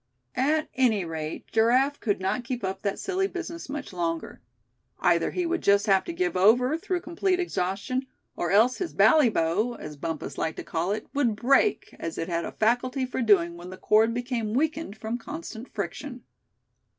At any rate, Giraffe could not keep up that silly business much longer. Either he would just have to give over through complete exhaustion; or else his "bally bow," as Bumpus liked to call it, would break, as it had a faculty for doing when the cord became weakened from constant friction.